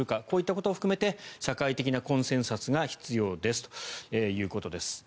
こういったことを含めて社会的なコンセンサスが必要ですということです。